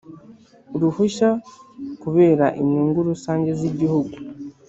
uruhushya kubera inyungu rusange z Igihugu